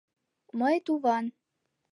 — Мый, туван.